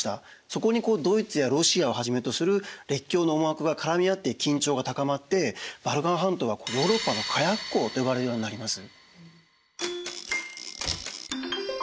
そこにドイツやロシアをはじめとする列強の思惑が絡み合って緊張が高まってバルカン半島はヨーロッパの火薬庫と呼ばれるようになります。